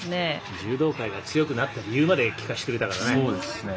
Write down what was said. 柔道界で強くなった理由まで聞かせてくれたから。